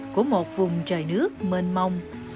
của một vùng trời nước mênh mông